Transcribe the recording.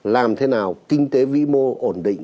làm thế nào kinh tế vĩ mô ổn định